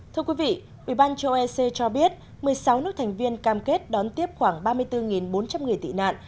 thưa quý vị ủy ban châu ân cho biết một mươi sáu nước thành viên cam kết đón tiếp khoảng ba mươi bốn bốn trăm linh người tị nạn